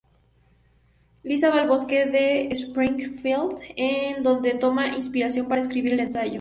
Lisa va al bosque de Springfield, en donde toma inspiración para escribir el ensayo.